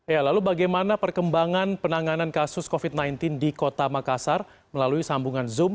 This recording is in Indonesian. ya lalu bagaimana perkembangan penanganan kasus covid sembilan belas di kota makassar melalui sambungan zoom